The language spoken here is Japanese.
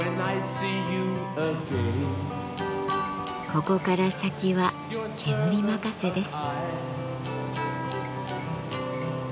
ここから先は煙任せです。